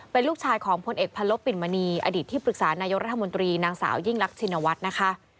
เป็นลูกชายของพลเอกพันลบปิ่นมณีอดีตที่ปรึกษานายกรัฐมนตรีนางสาวยิ่งรักชินวัฒน์นะคะ